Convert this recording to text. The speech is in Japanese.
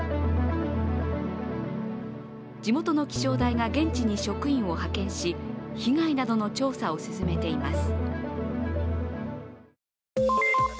地元の気象台が現地に職員を派遣し、被害などの調査を進めています。